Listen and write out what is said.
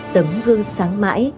tấm gương sáng mãi